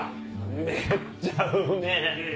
めっちゃうめぇ！